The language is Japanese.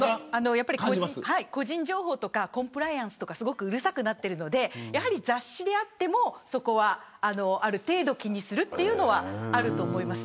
やっぱり個人情報とかコンプライアンスとかすごくうるさくなってるのでやはり、雑誌であってもそこはある程度気にするというのはあると思います。